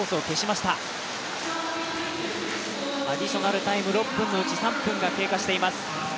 アディショナルタイム６分のうち３分が経過しています。